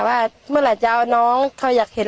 ว่าไม่ได้โดนจับหรอก